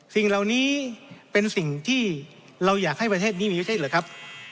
สิ่งเหล่านี้เป็นสิ่งที่เราอยากให้ประเทศนี้มีประเทศเหรอครับ